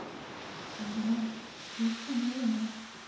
しょうがない言うしかないよね。